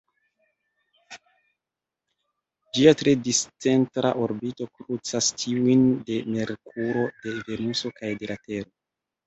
Ĝia tre discentra orbito krucas tiujn de Merkuro, de Venuso kaj de la Tero.